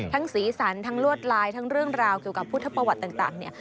สีสันทั้งลวดลายทั้งเรื่องราวเกี่ยวกับพุทธประวัติต่างเนี่ย